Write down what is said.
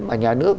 mà nhà nước